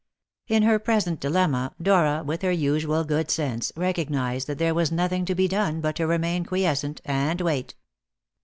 In her present dilemma, Dora, with her usual good sense, recognised that there was nothing to be done but to remain quiescent, and wait.